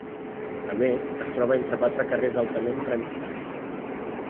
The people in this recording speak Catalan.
A més, es troba entre quatre carrers altament transitats.